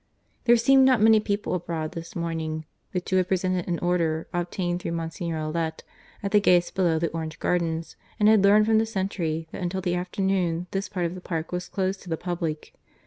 There seemed not many people abroad this morning. The two had presented an order, obtained through Monsignor Allet, at the gates below the Orange Gardens, and had learned from the sentry that until the afternoon this part of the park was closed to the public.